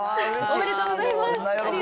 ありがとうございます。